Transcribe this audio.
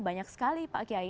banyak sekali pak kiai